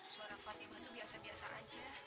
suara fatima tuh biasa biasa aja